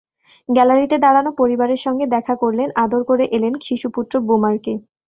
গ্যালারিতে দাঁড়ানো পরিবারের সঙ্গে দেখা করলেন, আদর করে এলেন শিশুপুত্র বুমারকে।